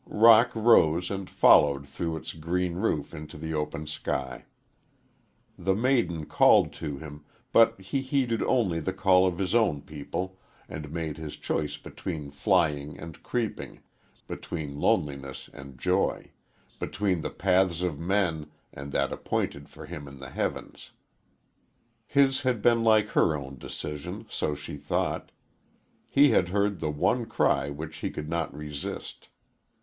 Roc rose and followed through its green roof into the open sky. The maiden called to him, but he heeded only the call of his own people, and made his choice between flying and creeping, between loneliness and joy, between the paths of men and that appointed for him in the heavens. His had been like her own decision so she thought he had heard the one cry which he could not resist.